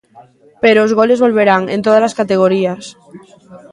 Pero os goles volverán, en tódalas categorías.